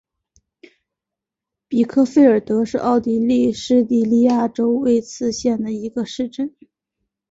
比克费尔德是奥地利施蒂利亚州魏茨县的一个市镇。